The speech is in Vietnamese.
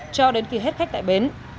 cho đến khi hết khách tại bến